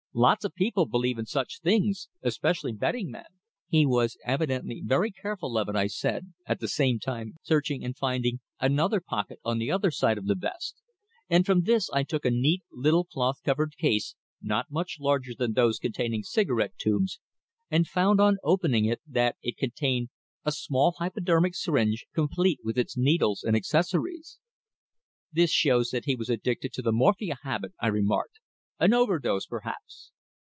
"Lots of people believe in such things, especially betting men." "He was evidently very careful of it," I said, at the same time searching and finding another pocket on the other side of the vest, and from this I took a neat little cloth covered case, not much larger than those containing cigarette tubes, and found on opening it that it contained a small hypodermic syringe, complete with its needles and accessories. "This shows that he was addicted to the morphia habit," I remarked. "An overdose, perhaps."